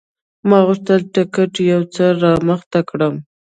ما غوښتل ټکټ یو څه رامخته کړم.